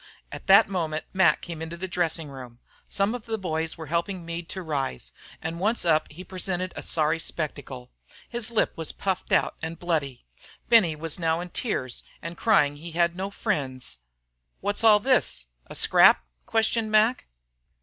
At that moment Mac came into the dressing room. Some of the boys were helping Meade to rise, and once up he presented a sorry spectacle. His lip was puffed out and bloody. Benny was now in tears, and crying he had no "frens." "What's all this a scrap?" questioned Mac.